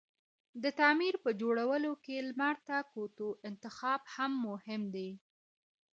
د تعمير په جوړولو کی لمر ته کوتو انتخاب مهم دی